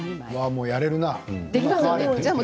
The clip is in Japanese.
もうやれるな。